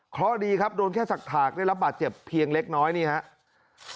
เพราะดีครับโดนแค่สักถากได้รับบาดเจ็บเพียงเล็กน้อยนี่ครับ